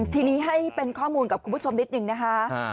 ทีนี้ให้เป็นข้อมูลกับคุณผู้ชมนิดนึงนะคะ